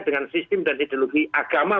dengan sistem dan ideologi agama